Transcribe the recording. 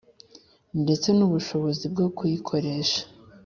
Ndetse n’ubushobozi bwo kuyikoresha